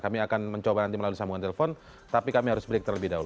kami akan mencoba nanti melalui sambungan telepon tapi kami harus break terlebih dahulu